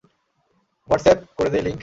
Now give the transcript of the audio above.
WhatsApp করে দেই link?